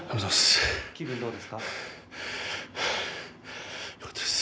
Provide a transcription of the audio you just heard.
気分はどうですか。